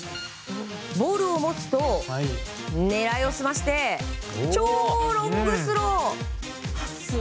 ボールを持つと、狙いを澄まして超ロングスロー！